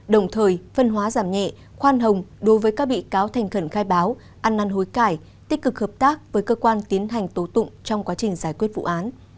đồng thời phân hóa giảm nhẹ khoan hồng đối với các bị cáo thành khẩn khai báo ăn năn hối cải tích cực hợp tác với cơ quan tiến hành tố tụng trong quá trình giải quyết vụ án